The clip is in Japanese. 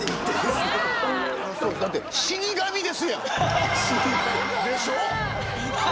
だって死神ですやん。